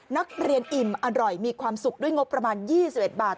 อิ่มอร่อยมีความสุขด้วยงบประมาณ๒๑บาท